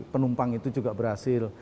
penumpang itu juga berhasil